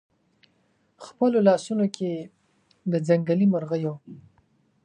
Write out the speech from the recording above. خپلو لاسونو کې د ځنګلي مرغیو